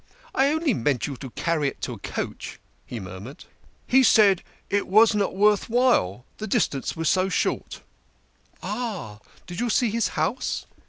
"I only meant you to carry it to a coach," he murmured. " He said it was not worth while the distance was so short." "Ah! Did you see his house?"